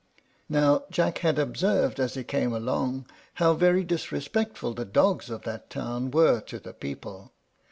Now Jack had observed as he came along how very disrespectful the dogs of that town were to the people.